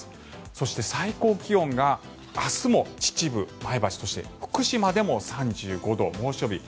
そして、最高気温が明日も秩父、前橋そして福島でも３５度の猛暑日。